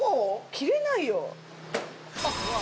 切れないよ。